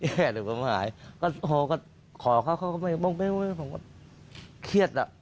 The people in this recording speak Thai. แปดหนึ่งผมหายก็โคกก็ขอเข้ากลับไปบ้วงเครียดละ